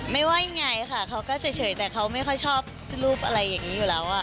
ว่ายังไงค่ะเขาก็เฉยแต่เขาไม่ค่อยชอบรูปอะไรอย่างนี้อยู่แล้ว